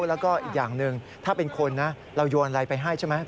แล้วก็อีกอย่างหนึ่งถ้าเป็นคนนะเราโยนอะไรไปให้ใช่ไหม